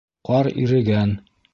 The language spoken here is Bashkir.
Ҡар ирегән